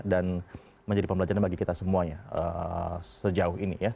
dan menjadi pembelajaran bagi kita semuanya sejauh ini ya